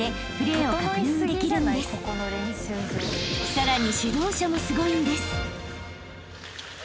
［さらに］